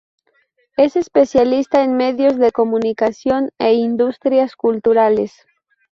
Es especialista en medios de comunicación e industrias culturales.